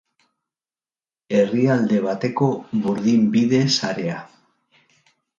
Herrialde bateko burdinbide-sarea.